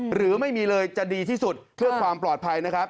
หรือไม่มีเลยจะดีที่สุดเพื่อความปลอดภัยนะครับ